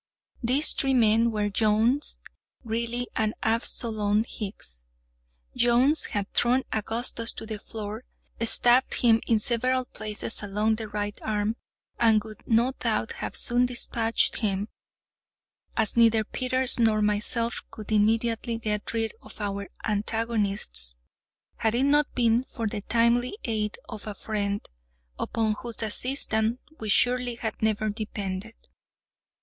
These three men were—Jones, Greely, and Absolom Hicks. Jones had thrown Augustus to the floor, stabbed him in several places along the right arm, and would no doubt have soon dispatched him (as neither Peters nor myself could immediately get rid of our own antagonists), had it not been for the timely aid of a friend, upon whose assistance we, surely, had never depended.